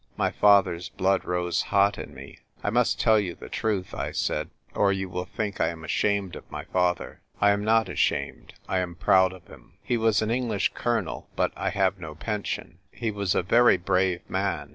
My father's blood rose hot in me. " I must tell you the truth," I said, " or you will think I am ashamed of my father. I am not ashamed; I am proud of him. He was an English colonel ; but I have no pension. He was a very brave man.